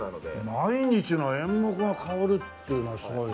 毎日の演目が変わるっていうのはすごい。